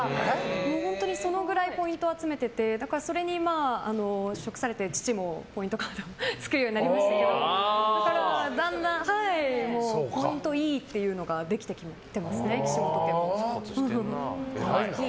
本当にそのくらいポイントを集めててそれに触されて父もポイントカードを作るようになりましたけどポイント、いいっていうのができてきてますね、岸本家には。